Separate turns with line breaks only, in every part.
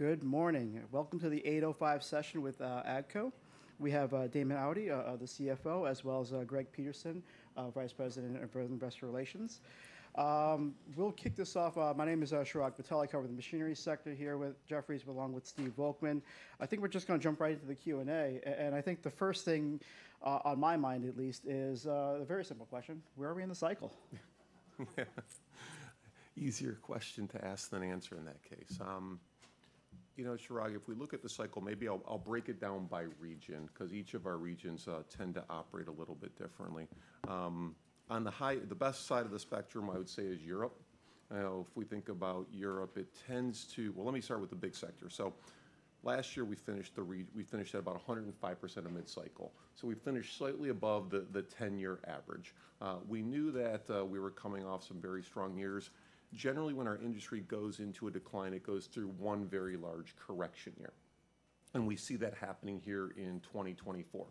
Good morning. Welcome to the 8:05 A.M. session with AGCO. We have Damon Audia, the CFO, as well as Greg Peterson, Vice President of Investor Relations. We'll kick this off. My name is Chirag Patel. I cover the machinery sector here with Jefferies, along with Steve Volkman. I think we're just going to jump right into the Q&A, and I think the first thing on my mind at least is a very simple question. Where are we in the cycle?
Easier question to ask than answer in that case. Chirag, if we look at the cycle, maybe I'll break it down by region, because each of our regions tend to operate a little bit differently. The best side of the spectrum, I would say, is Europe. If we think about Europe, it tends to... Let me start with the big sector. Last year, we finished at about 105% of mid-cycle, so we finished slightly above the ten-year average. We knew that we were coming off some very strong years. Generally, when our industry goes into a decline, it goes through one very large correction year, and we see that happening here in 2024.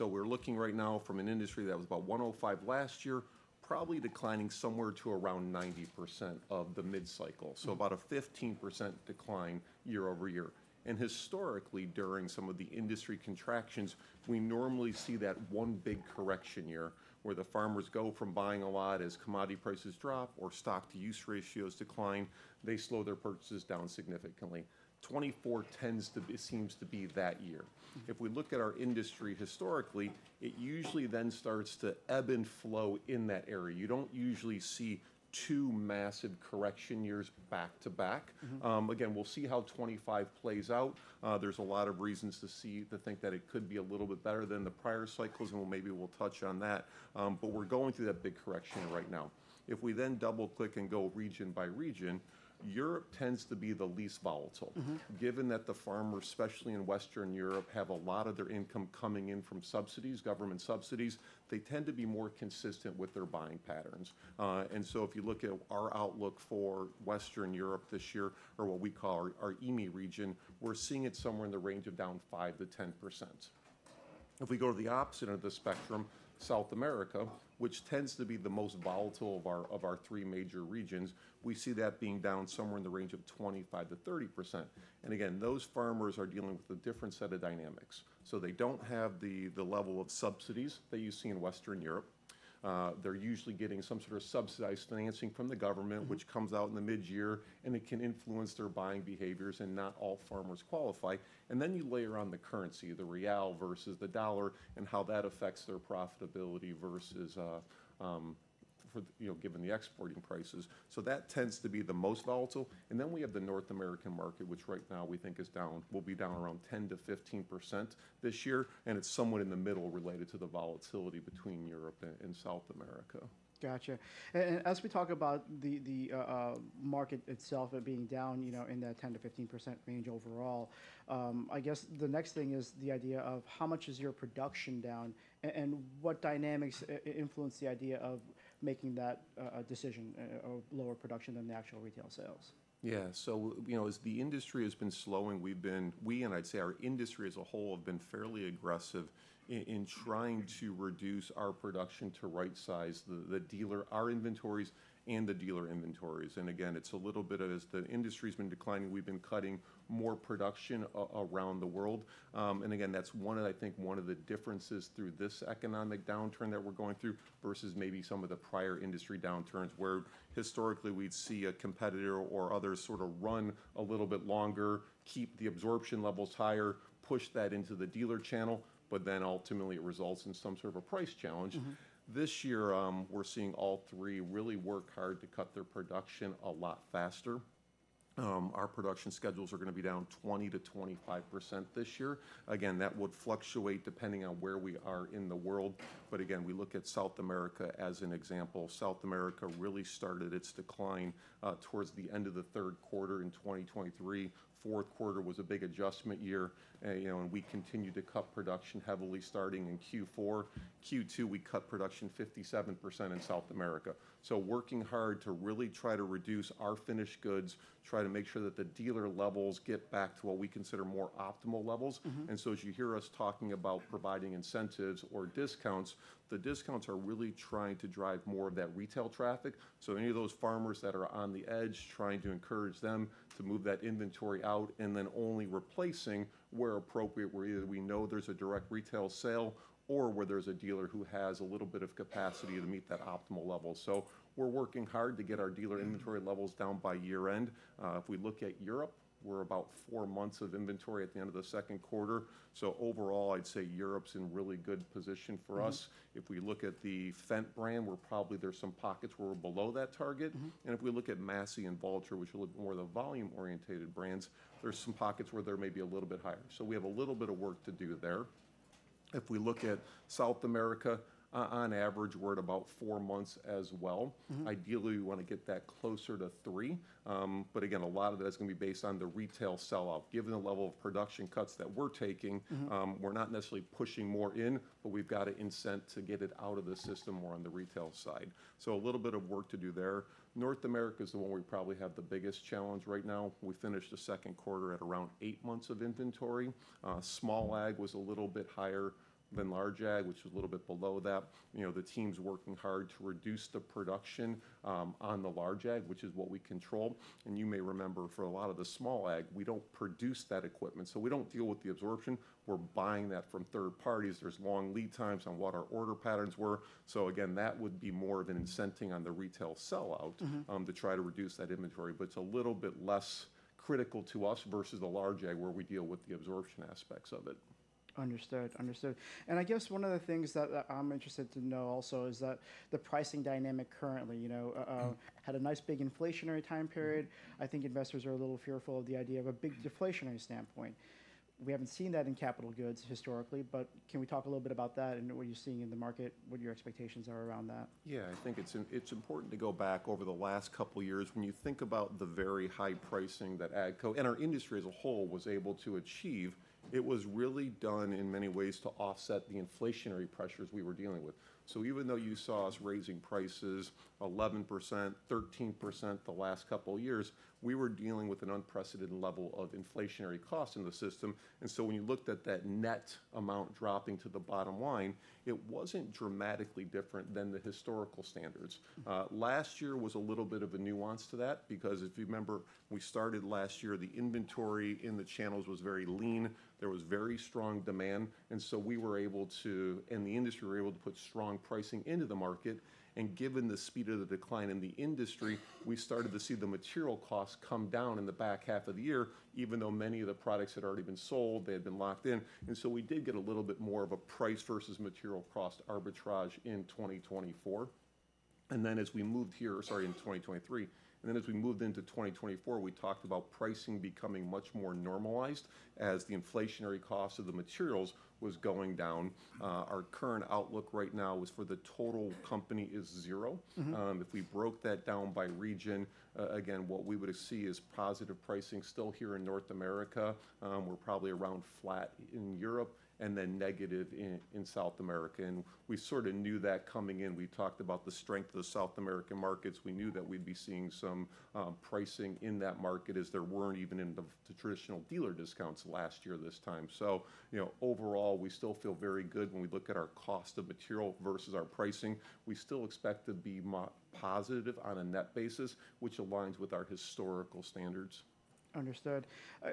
We're looking right now from an industry that was about 105% last year, probably declining somewhere to around 90% of the mid-cycle. About a 15% decline year-over-year. Historically, during some of the industry contractions, we normally see that one big correction year, where the farmers go from buying a lot as commodity prices drop or stock-to-use ratios decline. They slow their purchases down significantly. 2024 seems to be, that year. If we look at our industry historically, it usually then starts to ebb and flow in that area. You don't usually see two massive correction years back to back. Again, we'll see how 2025 plays out. There's a lot of reasons to think that it could be a little bit better than the prior cycles, and maybe we'll touch on that, but we're going through that big correction right now. If we then double-click and go region by region, Europe tends to be the least volatile. Given that the farmers, especially in Western Europe, have a lot of their income coming in from subsidies, government subsidies, they tend to be more consistent with their buying patterns, and so if you look at our outlook for Western Europe this year, or what we call our EMEA region, we're seeing it somewhere in the range of down 5-10%. If we go to the opposite end of the spectrum, South America, which tends to be the most volatile of our three major regions, we see that being down somewhere in the range of 25-30%. Again, those farmers are dealing with a different set of dynamics, so they don't have the level of subsidies that you see in Western Europe, they're usually getting some sort of subsidized financing from the government which comes out in the mid-year, and it can influence their buying behaviors, and not all farmers qualify. Then you layer on the currency, the real versus the dollar, and how that affects their profitability versus, given the exporting prices. That tends to be the most volatile. And then we have the North American market, which right now we think will be down around 10-15% this year, and it's somewhat in the middle related to the volatility between Europe and South America.
Got you. As we talk about the market itself being down, in that 10-15% range overall, I guess the next thing is the idea of how much is your production down, and what dynamics influence the idea of making that decision of lower production than the actual retail sales?
Yes. As the industry has been slowing, we've been, and I'd say our industry as a whole, have been fairly aggressive in trying to reduce our production to rightsize the dealer, our inventories and the dealer inventories. Again, it's a little bit of, as the industry's been declining, we've been cutting more production around the world. Again, that's one of the, I think, differences through this economic downturn that we're going through versus maybe some of the prior industry downturns, where historically we'd see a competitor or others sort of run a little bit longer, keep the absorption levels higher, push that into the dealer channel, but then ultimately it results in some sort of a price challenge. This year, we're seeing all three really work hard to cut their production a lot faster. Our production schedules are going to be down 20-25% this year. Again, that would fluctuate depending on where we are in the world, but again, we look at South America as an example. South America really started its decline towards the end of the Q3 in 2023. Q4 was a big adjustment year, and we continued to cut production heavily starting in Q4. Q2, we cut production 57% in South America. So working hard to really try to reduce our finished goods, try to make sure that the dealer levels get back to what we consider more optimal levels. As you hear us talking about providing incentives or discounts, the discounts are really trying to drive more of that retail traffic. Any of those farmers that are on the edge, trying to encourage them to move that inventory out, and then only replacing where appropriate, where either we know there's a direct retail sale or where there's a dealer who has a little bit of capacity to meet that optimal level. We're working hard to get our dealer inventory levels down by year-end. If we look at Europe, we're about four months of inventory at the end of the Q2. Overall, I'd say Europe's in really good position for us. If we look at the Fendt brand, we're probably, there's some pockets where we're below that target. If we look at Massey and Valtra, which are a little more the volume-oriented brands, there's some pockets where they may be a little bit higher. We have a little bit of work to do there. If we look at South America, on average, we're at about four months as well. Ideally, we want to get that closer to three, but again, a lot of that is going to be based on the retail sell-off. Given the level of production cuts that we're taking, we're not necessarily pushing more in, but we've got to incent to get it out of the system more on the retail side. A little bit of work to do there. North America is the one where we probably have the biggest challenge right now. We finished the Q2 at around eight months of inventory. Small Ag was a little bit higher than large Ag, which was a little bit below that. The team's working hard to reduce the production on the large Ag, which is what we control, and you may remember, for a lot of the small Ag, we don't produce that equipment. We don't deal with the absorption. We're buying that from third parties. There's long lead times on what our order patterns were. Again, that would be more of an incenting on the retail sellout to try to reduce that inventory, but it's a little bit less critical to us versus the large Ag, where we deal with the absorption aspects of it.
Understood. I guess one of the things that I'm interested to know also is that the pricing dynamic currently. Had a nice, big inflationary time period. I think investors are a little fearful of the idea of a big deflationary standpoint. We haven't seen that in capital goods historically, but can we talk a little bit about that and what you're seeing in the market, what your expectations are around that?
Yes, I think it's important to go back over the last couple years. When you think about the very high pricing that AGCO, and our industry as a whole, was able to achieve, it was really done in many ways to offset the inflationary pressures we were dealing with. Even though you saw us raising prices 11-13% the last couple years, we were dealing with an unprecedented level of inflationary costs in the system. When you looked at that net amount dropping to the bottom line, it wasn't dramatically different than the historical standards. Last year was a little bit of a nuance to that, because if you remember, we started last year, the inventory in the channels was very lean. There was very strong demand, and the industry were able to put strong pricing into the market. Given the speed of the decline in the industry, we started to see the material costs come down in the back half of the year, even though many of the products had already been sold, they had been locked in. We did get a little bit more of a price versus material cost arbitrage in 2024 and then as we moved here... Sorry, in 2023. Then as we moved into 2024, we talked about pricing becoming much more normalized as the inflationary cost of the materials was going down. Our current outlook right now for the total company is zero. If we broke that down by region, again, what we would see is positive pricing still here in North America. We're probably around flat in Europe and then negative in South America, and we sort of knew that coming in. We talked about the strength of the South American markets. We knew that we'd be seeing some pricing in that market, as there weren't even in the traditional dealer discounts last year this time. Overall, we still feel very good when we look at our cost of material versus our pricing. We still expect to be more positive on a net basis, which aligns with our historical standards.
Understood.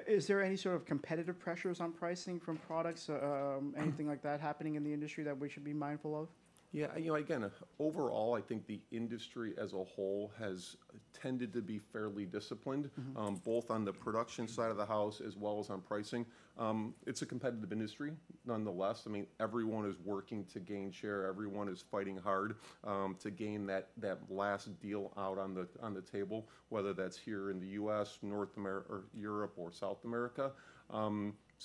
Is there any sort of competitive pressures on pricing from products? Anything like that happening in the industry that we should be mindful of?
Yes. Again, overall, I think the industry as a whole has tended to be fairly disciplined, both on the production side of the house as well as on pricing. It's a competitive industry, nonetheless. Everyone is working to gain share. Everyone is fighting hard to gain that last deal out on the table, whether that's here in the U.S., North America or Europe or South America.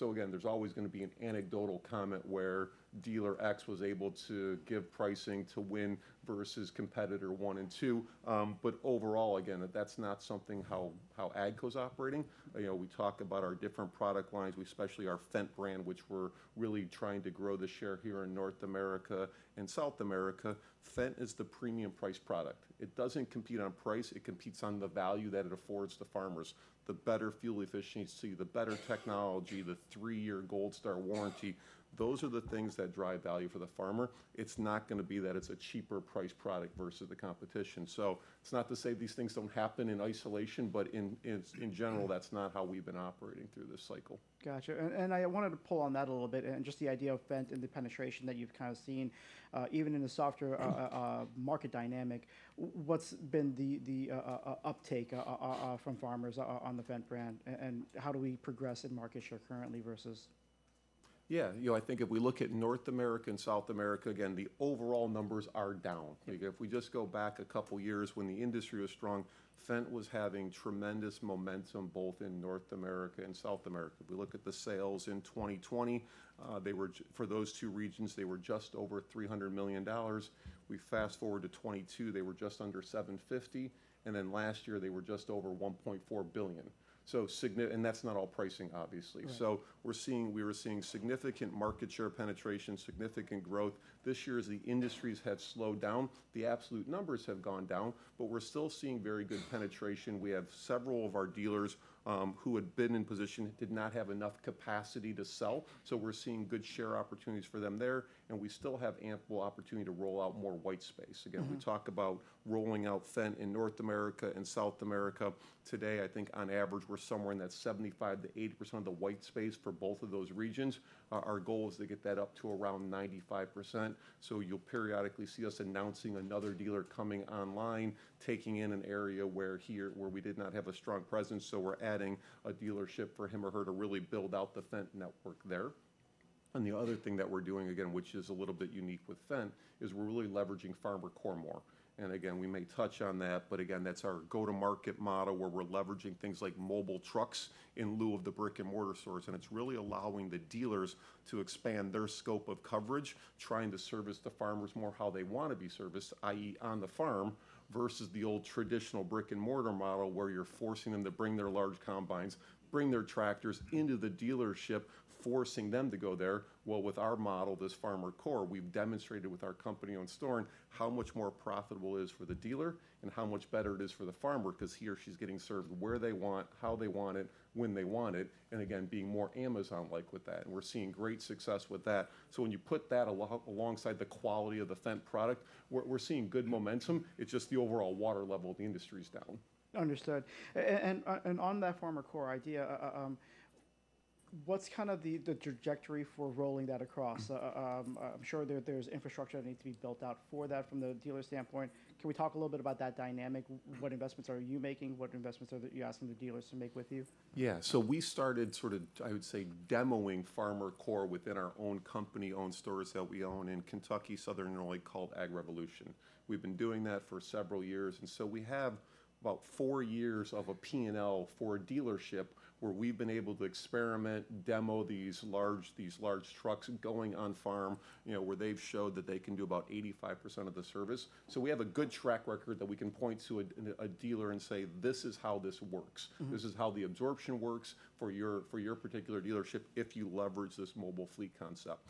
Again, there's always going to be an anecdotal comment where dealer X was able to give pricing to win versus competitor one and two, but overall, again, that's not something how AGCO's operating. We talk about our different product lines, we especially our Fendt brand, which we're really trying to grow the share here in North America and South America. Fendt is the premium price product. It doesn't compete on price. It competes on the value that it affords the farmers. The better fuel efficiency, the better technology, the three-year Gold Star warranty, those are the things that drive value for the farmer. It's not going to be that it's a cheaper priced product versus the competition. It's not to say these things don't happen in isolation, but in general, that's not how we've been operating through this cycle.
Got you. I wanted to pull on that a little bit, and just the idea of Fendt and the penetration that you've kind of seen, even in the softer market dynamic. What's been the uptake from farmers on the Fendt brand and how do we progress in market share currently versus?
Yes. I think if we look at North America and South America, again, the overall numbers are down. If we just go back a couple of years when the industry was strong, Fendt was having tremendous momentum both in North America and South America. If we look at the sales in 2020, for those two regions, they were just over $300 million. We fast-forward to 2022, they were just under $750 million, and then last year, they were just over $1.4 billion. That's not all pricing, obviously.
Right.
We were seeing significant market share penetration, significant growth. This year, as the industries have slowed down, the absolute numbers have gone down, but we're still seeing very good penetration. We have several of our dealers who had been in position, did not have enough capacity to sell. We're seeing good share opportunities for them there, and we still have ample opportunity to roll out more white space. Again, we talk about rolling out Fendt in North America and South America. Today, I think on average, we're somewhere in that 75-80% of the white space for both of those regions. Our goal is to get that up to around 95%. You'll periodically see us announcing another dealer coming online, taking in an area here where we did not have a strong presence, so we're adding a dealership for him or her to really build out the Fendt network there, and the other thing that we're doing, again, which is a little bit unique with Fendt, is we're really leveraging FarmerCore more. Again, we may touch on that, but again, that's our go-to-market model, where we're leveraging things like mobile trucks in lieu of the brick-and-mortar stores. It's really allowing the dealers to expand their scope of coverage, trying to service the farmers more how they want to be serviced. I.e on the farm, versus the old traditional brick-and-mortar model, where you're forcing them to bring their large combines, bring their tractors into the dealership, forcing them to go there. With our model, this FarmerCore, we've demonstrated with our company-owned store how much more profitable it is for the dealer and how much better it is for the farmer, because he or she's getting served where they want, how they want it, when they want it, and again, being more Amazon-like with that. We're seeing great success with that. When you put that alongside the quality of the Fendt product, we're seeing good momentum. It's just the overall water level of the industry is down.
Understood. On that FarmerCore idea, what's kind of the trajectory for rolling that across? I'm sure there's infrastructure that needs to be built out for that from the dealer standpoint. Can we talk a little bit about that dynamic? What investments are you making? What investments are you asking the dealers to make with you?
Yes. We started sort of, I would say, demoing FarmerCore within our own company-owned stores that we own in Kentucky, Southern Illinois, called AgRevolution. We've been doing that for several years, and so we have about four years of a P&L for a dealership where we've been able to experiment, demo these large trucks going on farm, where they've showed that they can do about 85% of the service. We have a good track record that we can point to a dealer and say, this is how this works. This is how the absorption works for your particular dealership if you leverage this mobile fleet concept.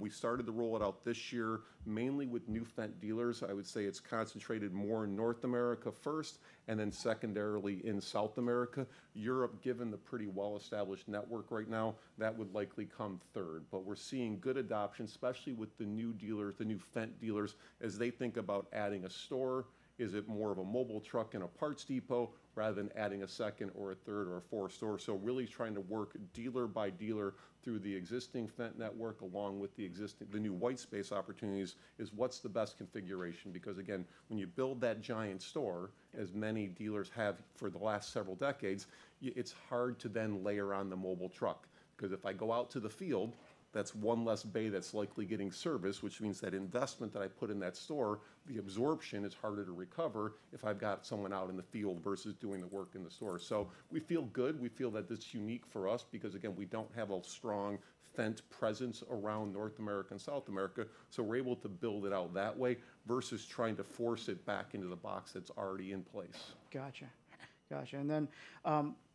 We started to roll it out this year, mainly with new Fendt dealers. I would say it's concentrated more in North America first, and then secondarily in South America. Europe, given the pretty well-established network right now, that would likely come third, but we're seeing good adoption, especially with the new dealers, the new Fendt dealers, as they think about adding a store. Is it more of a mobile truck and a parts depot, rather than adding a second or a third or a fourth store. Really trying to work dealer by dealer through the existing Fendt network, along with the new white space opportunities, is what's the best configuration? Because again, when you build that giant store, as many dealers have for the last several decades, it's hard to then layer on the mobile truck because if I go out to the field, that's one less bay that's likely getting service, which means that investment that I put in that store, the absorption is harder to recover if I've got someone out in the field versus doing the work in the store. We feel good. We feel that it's unique for us because, again, we don't have a strong Fendt presence around North America and South America, so we're able to build it out that way versus trying to force it back into the box that's already in place.
Got you. Then,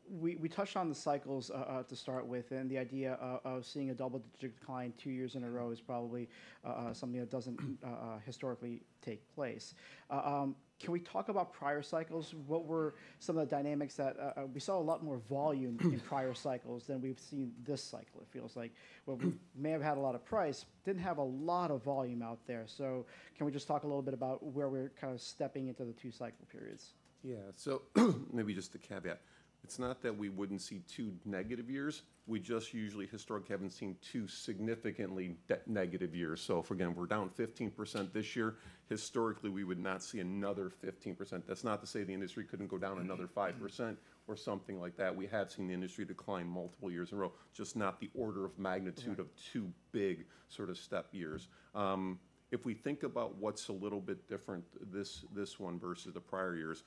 we touched on the cycles to start with and the idea of seeing a double-digit decline two years in a row is probably something that doesn't historically take place. Can we talk about prior cycles? What were some of the dynamics that... We saw a lot more volume in prior cycles than we've seen this cycle, it feels like. Where we may have had a lot of price, didn't have a lot of volume out there. Can we just talk a little bit about where we're kind of stepping into the two cycle periods?
Yes. Maybe just to caveat, it's not that we wouldn't see two negative years. We just usually historically haven't seen two significantly negative years. If, again, we're down 15% this year, historically, we would not see another 15%. That's not to say the industry couldn't go down another 5% or something like that. We have seen the industry decline multiple years in a row, just not the order of magnitude of two big sort of step years. If we think about what's a little bit different, this one versus the prior years,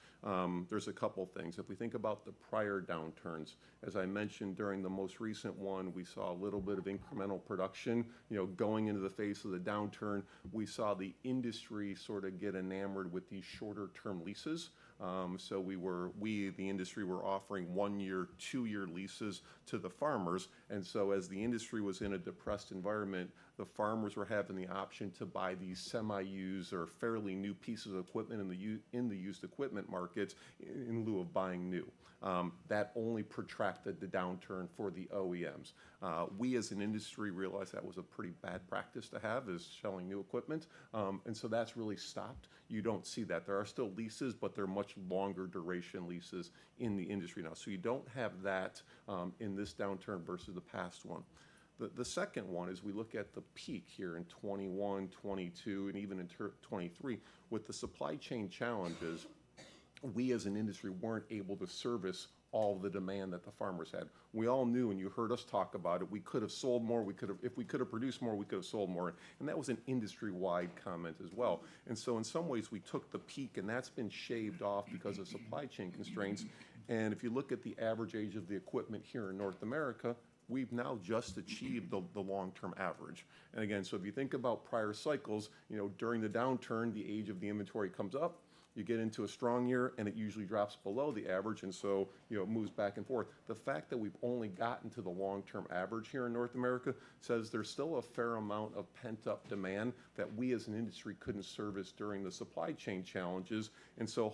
there's a couple things. If we think about the prior downturns, as I mentioned, during the most recent one, we saw a little bit of incremental production. Going into the face of the downturn, we saw the industry sort of get enamored with these shorter-term leases. We, the industry, were offering one-year, two-year leases to the farmers, and so as the industry was in a depressed environment, the farmers were having the option to buy these semi-used or fairly new pieces of equipment in the used equipment markets in lieu of buying new. That only protracted the downturn for the OEMs. We, as an industry, realized that was a pretty bad practice to have, this selling new equipment, and so that's really stopped. You don't see that. There are still leases, but they're much longer duration leases in the industry now. You don't have that, in this downturn versus the past one. The second one is we look at the peak here in 2021, 2022, and even in 2023. With the supply chain challenges, we as an industry weren't able to service all the demand that the farmers had. We all knew, and you heard us talk about it, we could have sold more. If we could have produced more, we could have sold more, and that was an industry-wide comment as well. In some ways, we took the peak, and that's been shaved off because of supply chain constraints. If you look at the average age of the equipment here in North America, we've now just achieved the long-term average. Again, if you think about prior cycles, during the downturn, the age of the inventory comes up, you get into a strong year, and it usually drops below the average, and it moves back and forth. The fact that we've only gotten to the long-term average here in North America, there's still a fair amount of pent-up demand that we as an industry couldn't service during the supply chain challenges.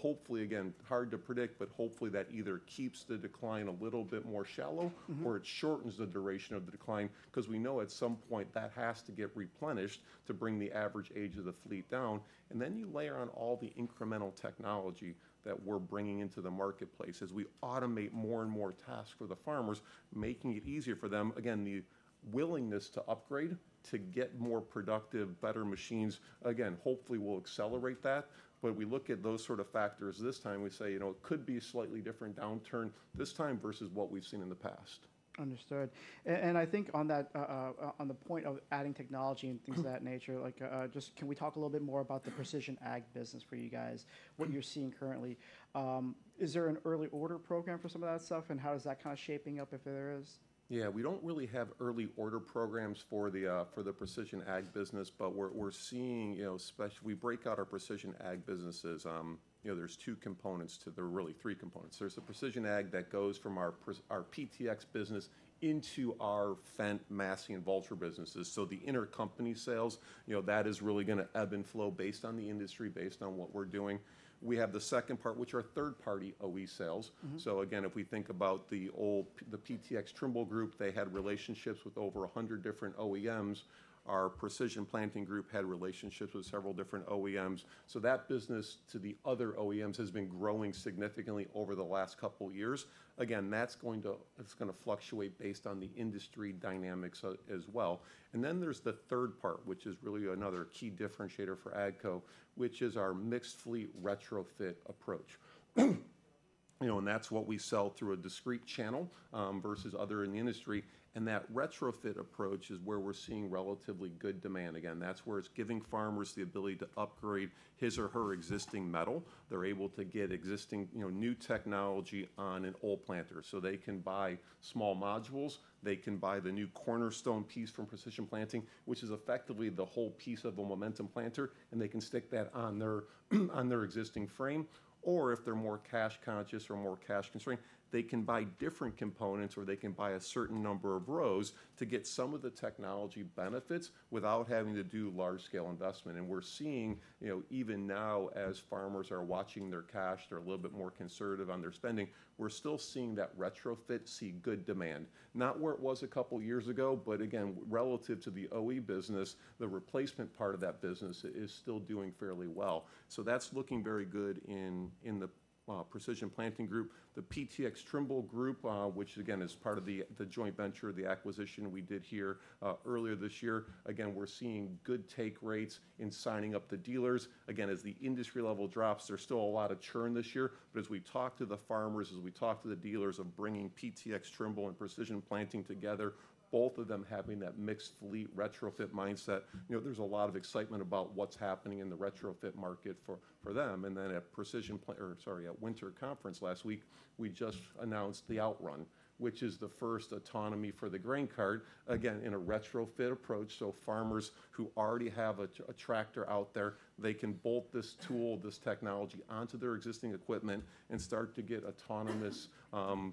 Hopefully, again, hard to predict, but hopefully, that either keeps the decline a little bit more shallow-... or it shortens the duration of the decline, bcause we know at some point that has to get replenished to bring the average age of the fleet down. And then you layer on all the incremental technology that we're bringing into the marketplace. As we automate more and more tasks for the farmers, making it easier for them, again, the willingness to upgrade, to get more productive, better machines, again, hopefully, will accelerate that, but we look at those sort of factors this time, we say, it could be a slightly different downturn this time versus what we've seen in the past.
Understood. I think on the point of adding technology and things of that nature, just can we talk a little bit more about the Precision Ag business for you guys, what you're seeing currently? Is there an early order program for some of that stuff, and how is that kind of shaping up, if there is?
Yes. We don't really have early order programs for the Precision Ag business, but we're seeing. We break out our Precision Ag businesses. There's two components. There are really three components. There's the Precision Ag that goes from our PTx business into our Fendt, Massey, and Valtra businesses. The intercompany sales, that is really going to ebb and flow based on the industry, based on what we're doing. We have the second part, which are third-party OE sales. Again, if we think about the old PTx Trimble group, they had relationships with over a hundred different OEMs. Our Precision Planting group had relationships with several different OEMs. That business to the other OEMs has been growing significantly over the last couple years. Again, that's going to fluctuate based on the industry dynamics as well, and then there's the third part, which is really another key differentiator for AGCO, which is our mixed fleet retrofit approach, and that's what we sell through a discrete channel versus others in the industry and that retrofit approach is where we're seeing relatively good demand. Again, that's where it's giving farmers the ability to upgrade his or her existing metal. They're able to get existing new technology on an old planter. They can buy small modules. They can buy the new Cornerstone piece from Precision Planting, which is effectively the whole piece of a Momentum planter, and they can stick that on their existing frame or if they're more cash conscious or more cash constrained, they can buy different components, or they can buy a certain number of rows to get some of the technology benefits without having to do large-scale investment. We're seeing, even now as farmers are watching their cash, they're a little bit more conservative on their spending. We're still seeing that retrofit see good demand. Not where it was a couple of years ago, but again, relative to the OE business, the replacement part of that business is still doing fairly well. That's looking very good in the Precision Planting group. The PTx Trimble group, which again is part of the joint venture, the acquisition we did here earlier this year, again we're seeing good take rates in signing up the dealers. Again, as the industry level drops, there's still a lot of churn this year, but as we talk to the farmers, as we talk to the dealers of bringing PTx Trimble and Precision Planting together, both of them having that mixed fleet retrofit mindset. There's a lot of excitement about what's happening in the retrofit market for them, and then at Winter Conference last week, we just announced the OutRun, which is the first autonomy for the grain cart, again in a retrofit approach. Farmers who already have a tractor out there, they can bolt this tool, this technology, onto their existing equipment and start to get autonomous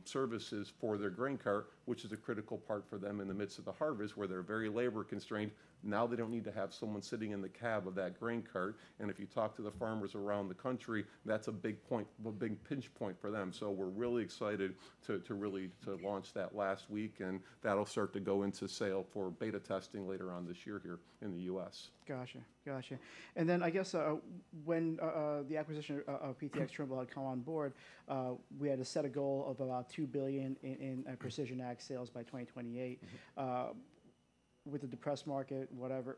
services for their grain cart, which is a critical part for them in the midst of the harvest, where they're very labor constrained. Now, they don't need to have someone sitting in the cab of that grain cart, and if you talk to the farmers around the country, that's a big pinch point for them. We're really excited to really launch that last week, and that'll start to go into sale for beta testing later on this year here in the U.S.
Got you. Then I guess, when the acquisition of PTx Trimble had come on board, we had to set a goal of about $2 billion in Precision Ag sales by 2028. With the depressed market, whatever,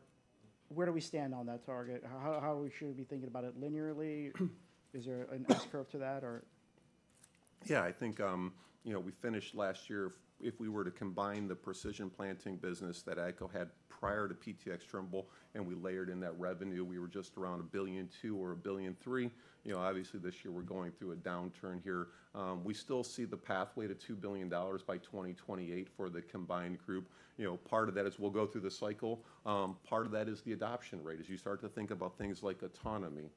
where do we stand on that target? How we should be thinking about it? Linearly? Is there an S-curve to that or?
Yes, I think we finished last year. If we were to combine the Precision Planting business that AGCO had prior to PTx Trimble, and we layered in that revenue, we were just around $1.2 billion or $1.3 billion. Obviously, this year we're going through a downturn here. We still see the pathway to $2 billion by 2028 for the combined group. Part of that is we'll go through the cycle. Part of that is the adoption rate. As you start to think about things like autonomy,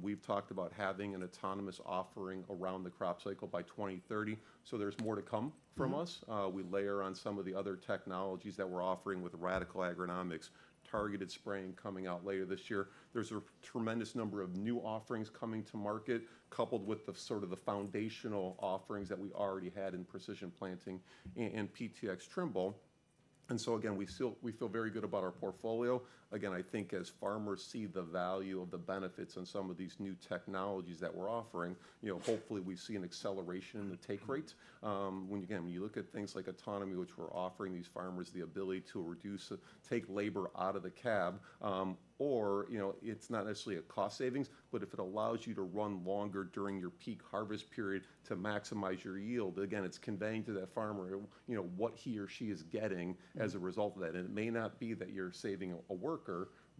we've talked about having an autonomous offering around the crop cycle by 2030. There's more to come from us. We layer on some of the other technologies that we're offering with Radicle Agronomics, Targeted Spraying coming out later this year. There's a tremendous number of new offerings coming to market, coupled with sort of the foundational offerings that we already had in Precision Planting and PTx Trimble. Again, we still feel very good about our portfolio. Again, I think as farmers see the value of the benefits in some of these new technologies that we're offering, hopefully, we see an acceleration in the take rates. Again, when you look at things like autonomy, which we're offering these farmers the ability to reduce take labor out of the cab, or it's not necessarily a cost savings, but if it allows you to run longer during your peak harvest period to maximize your yield, again, it's conveying to that farmer, what he or she is getting as a result of that. It may not be that you're saving a worker,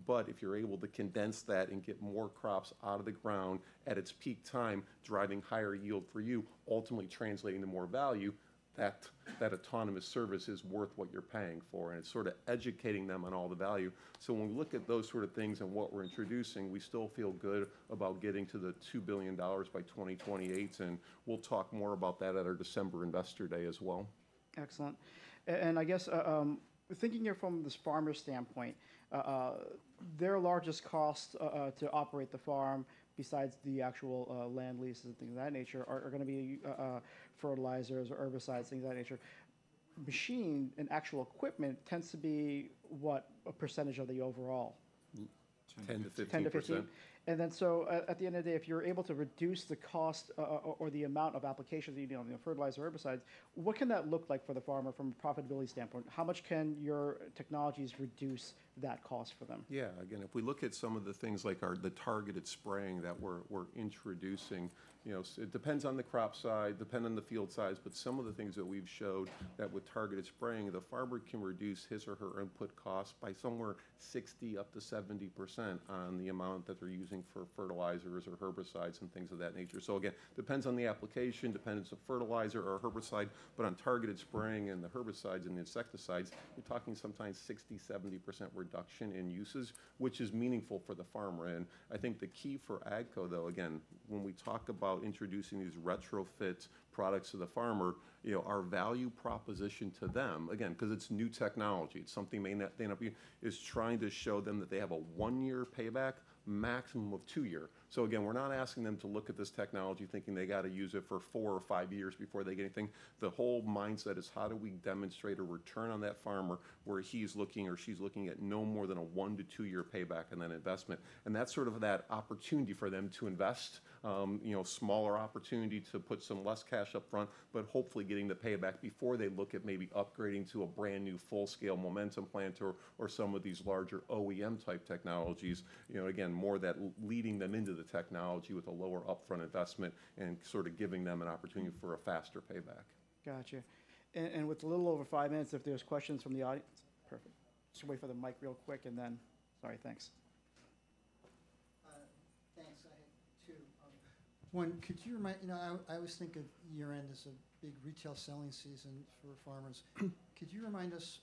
but if you're able to condense that and get more crops out of the ground at its peak time, driving higher yield for you, ultimately translating to more value, that autonomous service is worth what you're paying for, and it's sort of educating them on all the value. When we look at those sort of things and what we're introducing, we still feel good about getting to $2 billion by 2028, and we'll talk more about that at our December Investor Day as well.
Excellent. I guess, thinking here from this farmer's standpoint, their largest cost to operate the farm, besides the actual land leases and things of that nature, are going to be fertilizers or herbicides, things of that nature. Machine and actual equipment tends to be what percentage of the overall?
10-15%.
10-15%? Then, at the end of the day, if you're able to reduce the cost or the amount of applications, be it on the fertilizer, herbicides, what can that look like for the farmer from a profitability standpoint? How much can your technologies reduce that cost for them?
Yes, again, if we look at some of the things like our targeted spraying that we're introducing, it depends on the crop size, depend on the field size, but some of the things that we've showed that with targeted spraying, the farmer can reduce his or her input cost by somewhere 60-70% on the amount that they're using for fertilizers or herbicides and things of that nature. Again, depends on the application, depends on fertilizer or herbicide, but on targeted spraying and the herbicides and the insecticides, we're talking sometimes 60-70% reduction in uses, which is meaningful for the farmer. I think the key for AGCO, though, again, when we talk about introducing these retrofit products to the farmer, our value proposition to them, again, because it's new technology, it's something may not, they end up being... is trying to show them that they have a one-year payback, maximum of two-year. Again, we're not asking them to look at this technology, thinking they got to use it for four or five years before they get anything. The whole mindset is, how do we demonstrate a return on that farmer, where he's looking or she's looking at no more than a one to two-year payback on that investment? That's sort of that opportunity for them to invest, smaller opportunity to put some less cash up front, but hopefully getting the payback before they look at maybe upgrading to a brand-new, full-scale Momentum planter or some of these larger OEM-type technologies. Again, more that leading them into the technology with a lower upfront investment and sort of giving them an opportunity for a faster payback.
Got you. With a little over five minutes, if there's questions from the audience?
Perfect.
Just wait for the mic real quick and then... Sorry, thanks. One, I always think of year-end as a big retail selling season for farmers. Could you remind us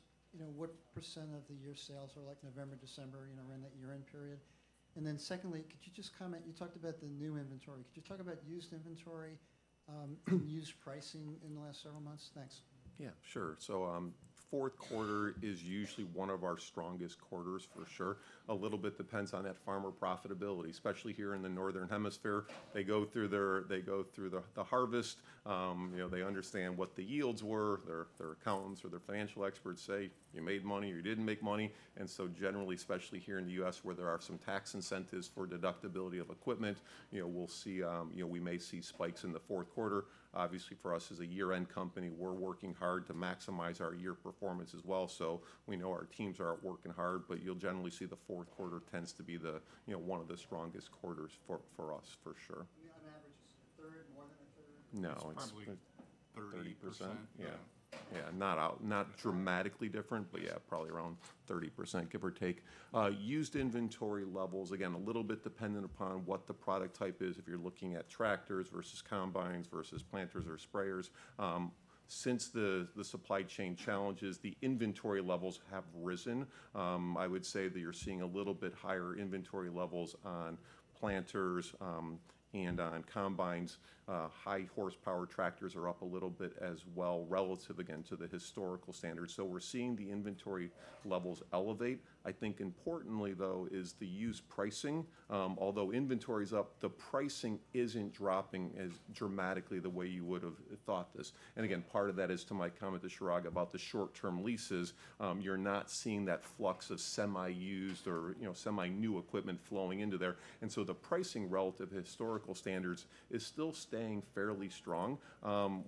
what percent of the year sales are like November, December, around that year-end period? Then secondly, could you just comment? You talked about the new inventory. Could you talk about used inventory, used pricing in the last several months? Thanks.
Yes, sure. Q4 is usually one of our strongest quarters for sure. A little bit depends on that farmer profitability, especially here in the Northern Hemisphere. They go through the harvest, they understand what the yields were. Their accountants or their financial experts say, "You made money," or, "You didn't make money." Generally, especially here in the U.S., where there are some tax incentives for deductibility of equipment, we may see spikes in the Q4. Obviously, for us, as a year-end company, we're working hard to maximize our year performance as well. We know our teams are out working hard, but you'll generally see the Q4 tends to be one of the strongest quarters for us, for sure. It's probably 30%. Yes. Not dramatically different, but Yes, probably around 30%, give or take. Used inventory levels, again, a little bit dependent upon what the product type is, if you're looking at tractors versus combines versus planters or sprayers. Since the supply chain challenges, the inventory levels have risen. I would say that you're seeing a little bit higher inventory levels on planters, and on combines. High horsepower tractors are up a little bit as well, relative, again, to the historical standards. We're seeing the inventory levels elevate. I think importantly, though, is the used pricing. Although inventory is up, the pricing isn't dropping as dramatically the way you would have thought this. Again, part of that is to my comment to Chirag about the short-term leases. You're not seeing that flux of semi-used or semi-new equipment flowing into there, and the pricing relative to historical standards is still staying fairly strong.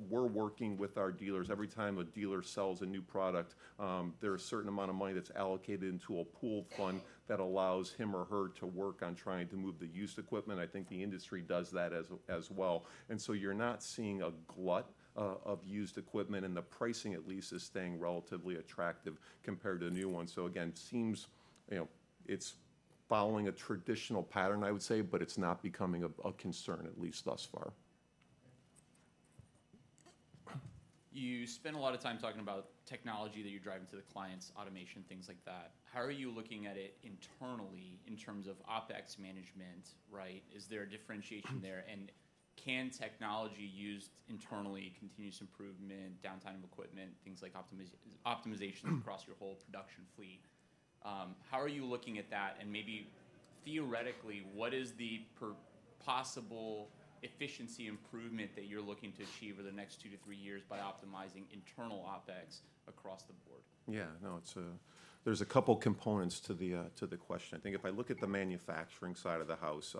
We're working with our dealers. Every time a dealer sells a new product, there is a certain amount of money that's allocated into a pool fund that allows him or her to work on trying to move the used equipment. I think the industry does that as well, and so you're not seeing a glut of used equipment, and the pricing at least is staying relatively attractive compared to the new one. Again, it seems, it's following a traditional pattern, I would say, but it's not becoming a concern, at least thus far.
You spent a lot of time talking about technology that you're driving to the clients, automation, things like that. How are you looking at it internally in terms of OpEx management, right? Is there a differentiation there? Can technology used internally, continuous improvement, downtime of equipment, things like optimization across your whole production fleet, how are you looking at that? Maybe theoretically, what is the possible efficiency improvement that you're looking to achieve over the next two to three years by optimizing internal OpEx across the board?
Yes. There's a couple of components to the question. I think if I look at the manufacturing side of the house,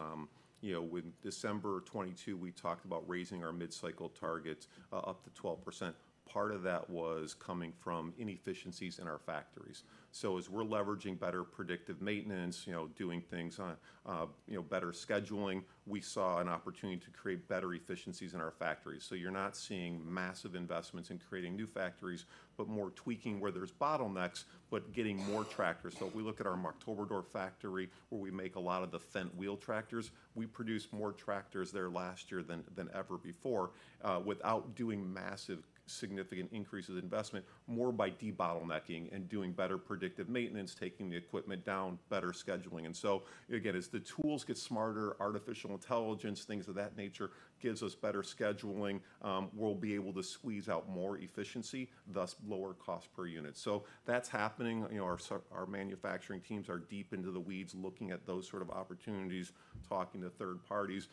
with December 2022, we talked about raising our mid-cycle targets up to 12%. Part of that was coming from inefficiencies in our factories. As we're leveraging better predictive maintenance, doing things on better scheduling, we saw an opportunity to create better efficiencies in our factories. You're not seeing massive investments in creating new factories, but more tweaking where there's bottlenecks, but getting more tractors. We look at our Marktoberdorf factory, where we make a lot of the Fendt wheel tractors. We produced more tractors there last year than ever before without doing massive, significant increases in investment, more by de-bottlenecking and doing better predictive maintenance, taking the equipment down, better scheduling. Again, as the tools get smarter, artificial intelligence, things of that nature, gives us better scheduling, we'll be able to squeeze out more efficiency, thus lower cost per unit. That's happening. Our manufacturing teams are deep into the weeds, looking at those sort of opportunities, talking to third parties.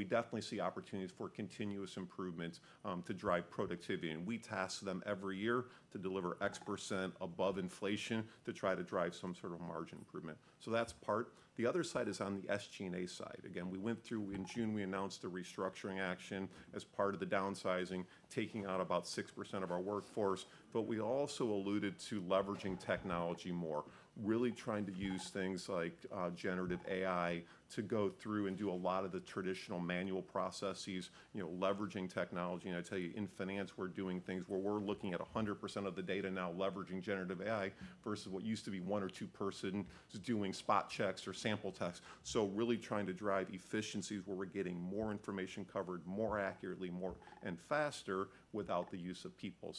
We definitely see opportunities for continuous improvement to drive productivity, and we task them every year to deliver X% above inflation to try to drive some sort of margin improvement. That's part. The other side is on the SG&A side. Again, we went through... In June, we announced a restructuring action as part of the downsizing, taking out about 6% of our workforce, but we also alluded to leveraging technology more, really trying to use things like generative AI to go through and do a lot of the traditional manual processes, leveraging technology, and I tell you, in finance, we're doing things where we're looking at 100% of the data now leveraging generative AI, versus what used to be one or two person doing spot checks or sample tests. Really trying to drive efficiencies where we're getting more information covered, more accurately, and faster without the use of people.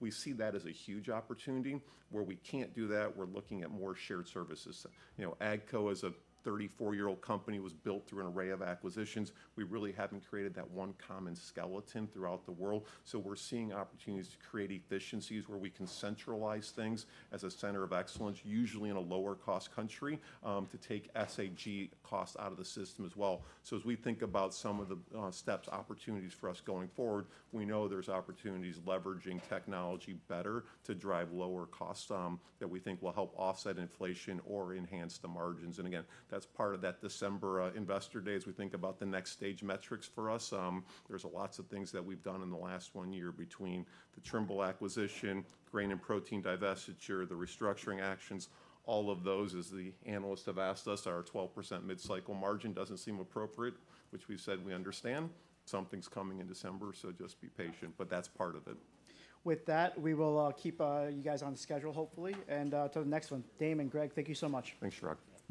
We see that as a huge opportunity. Where we can't do that, we're looking at more shared services. AGCO as a 34-year-old company, was built through an array of acquisitions. We really haven't created that one common skeleton throughout the world. We're seeing opportunities to create efficiencies where we can centralize things as a center of excellence, usually in a lower cost country, to take SAG costs out of the system as well. As we think about some of the steps, opportunities for us going forward, we know there's opportunities leveraging technology better to drive lower costs, that we think will help offset inflation or enhance the margins. Again, that's part of that December Investor Day, as we think about the next stage metrics for us. There's lots of things that we've done in the last one year between the Trimble acquisition, grain and protein divestiture, the restructuring actions, all of those, as the analysts have asked us, our 12% mid-cycle margin doesn't seem appropriate, which we've said we understand. Something's coming in December, so just be patient, but that's part of it.
With that, we will keep you guys on schedule, hopefully, and to the next one. Damon and Greg, thank you so much.
Thanks, Chirag.